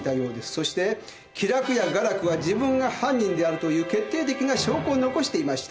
そして気楽家雅楽は自分が犯人であるという決定的な証拠を残していました。